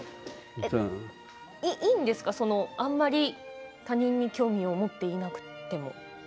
いいんですかあんまり他人に興味を持っていなくても。